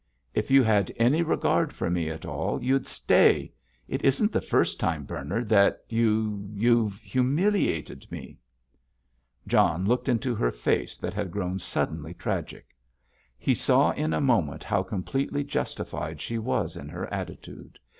"If you had any regard for me at all, you'd stay. It isn't the first time, Bernard, that you—you've humiliated me!" John looked into her face that had grown suddenly tragic. He saw in a moment how completely justified she was in her attitude.